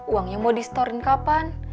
uangnya mau di store in kapan